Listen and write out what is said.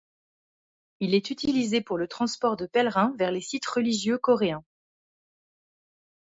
Il est utilisé pour le transport de pèlerins vers les sites religieux coréens.